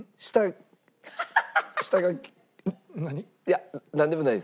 いやなんでもないです。